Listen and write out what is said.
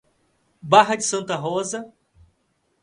Barra de Santa Rosa